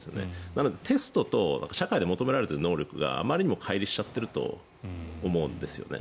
なので、テストと社会で求められている能力があまりにもかい離しちゃってると思うんですね。